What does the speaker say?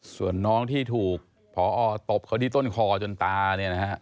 ส่วนน้องที่ถูกพอตบเขาที่ต้นคอจนตาเนี่ยนะฮะ